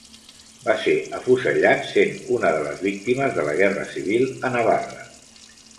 Va ser afusellat, sent una de les Víctimes de la Guerra Civil a Navarra.